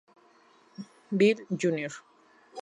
Bill, Jr.